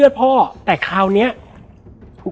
แล้วสักครั้งหนึ่งเขารู้สึกอึดอัดที่หน้าอก